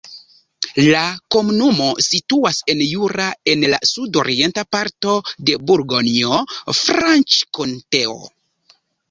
La komunumo situas en Jura, en la sudorienta parto de Burgonjo-Franĉkonteo.